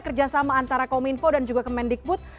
kerjasama antara kominfo dan juga kemendikbud